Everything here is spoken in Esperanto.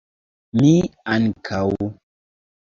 Mi ankaŭ!